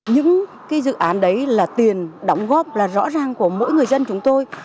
những cái dự án đấy là tiền đóng góp là rõ ràng của mỗi người dân chúng tôi